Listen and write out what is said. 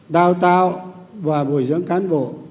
đào tạo và bồi dưỡng cán bộ